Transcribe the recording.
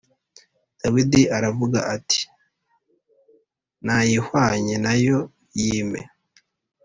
” Dawidi aravuga ati “Nta yihwanye na yo, yimpe.”